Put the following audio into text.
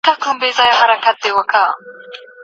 که مطالعه نه وي نو شعور نه وده کوي.